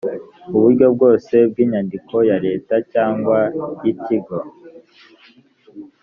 uburyo bwose bw’inyandiko ya leta cyangwa y’ikigo